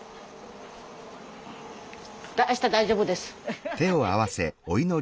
あした大丈夫です。